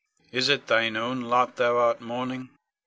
Is it thine own lot thou art mourning?